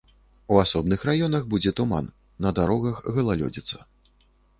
У асобных раёнах будзе туман, на дарогах галалёдзіца.